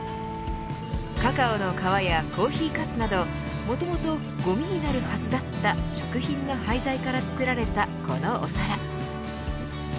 カカオの皮やコーヒーかすなどもともと、ごみになるはずだった食品の廃材から作られたこのお皿。